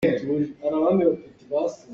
Ralchanhnak cu aho poh ton ciomi a si ko.